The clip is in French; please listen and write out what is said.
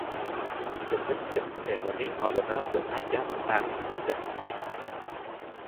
Cette espèce est nommée en l'honneur de Agathe Anne Dastych.